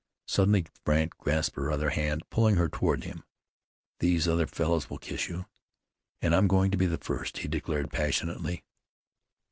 Suddenly Brandt grasped her other hand, pulling her toward him. "These other fellows will kiss you, and I'm going to be the first!" he declared passionately.